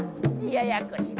ややこしや。